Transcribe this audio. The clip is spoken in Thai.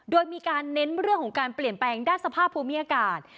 โดยมีการเน้นเรื่องของการเปลี่ยนแปลงด้านสภาพภูมิอากาศ